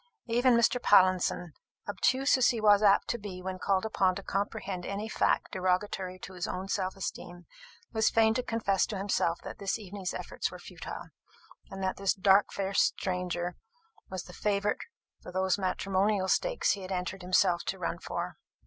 Even Mr. Pallinson, obtuse as he was apt to be when called upon to comprehend any fact derogatory to his own self esteem, was fain to confess to himself that this evening's efforts were futile, and that this dark faced stranger was the favourite for those matrimonial stakes he had entered himself to run for.